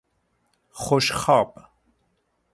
خوشخواب